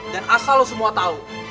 dan asal lo semua tau